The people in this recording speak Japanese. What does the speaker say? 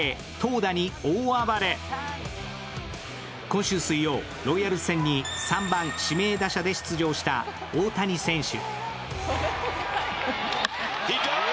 今週水曜、ロイヤルズ戦に３番・指名打者で出場した大谷選手。